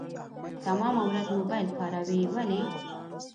تمامه ورځ موبايل کاروي ولي .